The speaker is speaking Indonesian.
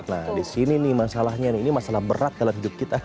nah disini nih masalahnya ini masalah berat dalam hidup kita